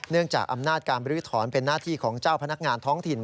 เนื่องจากอำนาจการบริษฐรเป็นหน้าที่ของเจ้าพนักงานท้องถิ่น